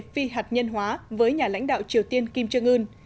phi hạt nhân hóa với nhà lãnh đạo triều tiên kim trương ưn